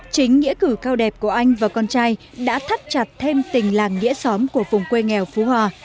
chính nghĩa cử cao đẹp của anh và con trai đã thắt chặt thêm tình làng nghĩa xóm của vùng quê nghèo phú hòa